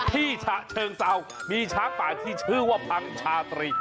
ฉะเชิงเซามีช้างป่าที่ชื่อว่าพังชาตรี